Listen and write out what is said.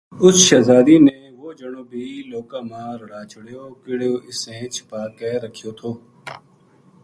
اُس نے شہزادی نے وہ جنو بی لوکاں ما رڑا چھڑیو کِہڑو اِسیں چھپا کے رکھیو تھو